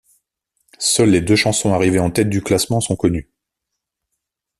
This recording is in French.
Seules les deux chansons arrivées en tête du classement sont connues.